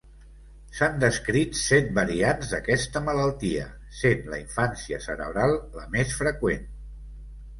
S'han descrit set variants d'aquesta malaltia, sent la infància cerebral la més freqüent.